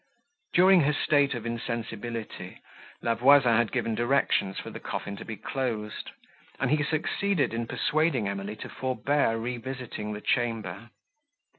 During her state of insensibility, La Voisin had given directions for the coffin to be closed, and he succeeded in persuading Emily to forbear revisiting the chamber.